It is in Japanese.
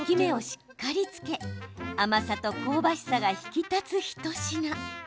しっかりつけ甘さと香ばしさが引き立つ一品。